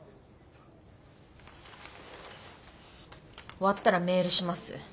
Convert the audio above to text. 終わったらメールします。